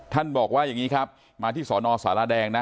บอกว่าอย่างนี้ครับมาที่สอนอสารแดงนะ